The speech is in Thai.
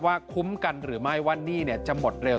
คุ้มกันหรือไม่ว่าหนี้จะหมดเร็ว